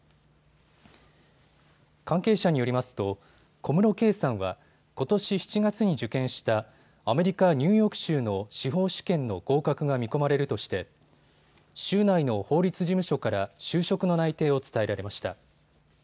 関係者によりますと小室圭さんはことし７月に受験したアメリカ・ニューヨーク州の司法試験の合格が見込まれるとして州内の法律事務所から就職の内定を伝えられました。